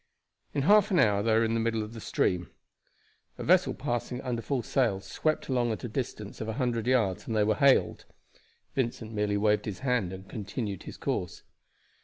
In half an hour they were in the middle of the stream. A vessel passing under full sail swept along at a distance of a hundred yards, and they were hailed. Vincent merely waved his hand and continued his course.